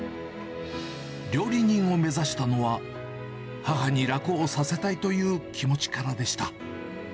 料理人を目指したのは、母に楽をさせたいという気持ちからでした。